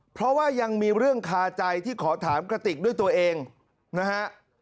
เพราะว่ายังมีเรื่องคาใจที่ขอถามกระติกด้วยตัวเองนะฮะ